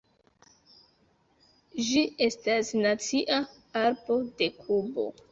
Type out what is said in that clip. Ĝi estas nacia arbo de Kubo.